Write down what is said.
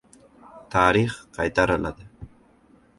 • Tarix qaytariladi.